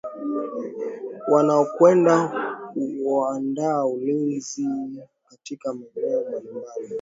wanaokwenda kuaanda ulinzi katika maeneo mbalimbali